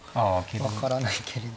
分からないけれど。